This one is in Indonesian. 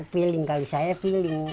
feeling kalau saya feeling